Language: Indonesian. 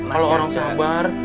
kalau orang sabar